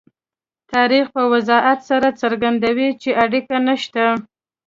تاریخ په وضاحت سره څرګندوي چې اړیکه نشته.